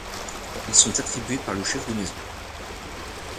Ils sont attribués par le chef de maison.